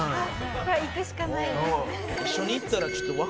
これは行くしかないです。